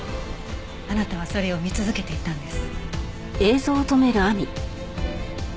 あなたはそれを見続けていたんです。